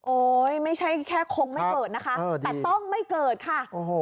ไม่ใช่แค่คงไม่เกิดนะคะแต่ต้องไม่เกิดค่ะ